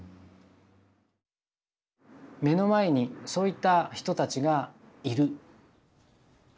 目の前にそういった人たちがいる。